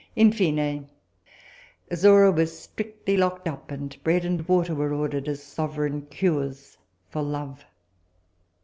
In fine, Azora was strictly locked up and bread and water were ordered as sovereign cures for love.